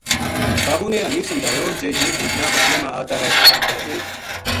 بابو نے حنیف سمجھایو جے یہ بُوجنا بکریاں ما آتا رہ تہ اِنھ